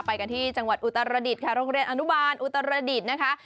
ไปกันที่จังหวัดอุตรฤดค่ะโรงเรียนอนุบาลอุตรฤดนะคะ